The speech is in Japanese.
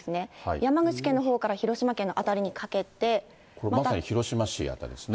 山口県のほうから広島県の辺りにかけて、まさに広島市辺りですね。